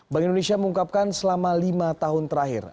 bank indonesia mengungkapkan selama lima tahun terakhir